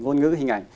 ngôn ngữ hình ảnh